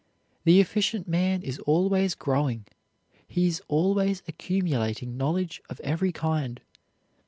The efficient man is always growing. He is always accumulating knowledge of every kind.